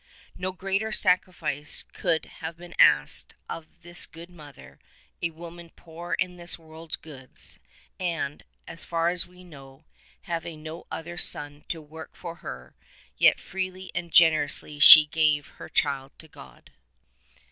No greater sacrifice could have been asked of this good mother, a woman poor in this world's goods and, as far as we know, having no other son to work for her; yet freely and generously she gave her child to God.